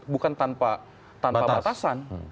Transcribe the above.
bukan tanpa batasan